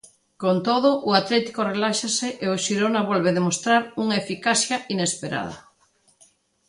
Con todo, o Atlético reláxase e o Xirona volve demostrar unha eficacia inesperada.